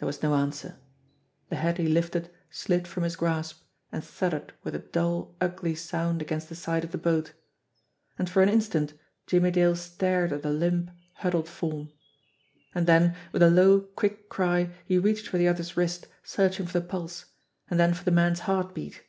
There was no answer. The head he lifted slid from his grasp, and thudded with a dull, ugly sound against the side of the boat. And for an instant Jimmie Dale stared at the limp, huddled form. And then, with a low, quick cry, he reached for the other's wrist, searching for the pulse and then for the man's heart beat.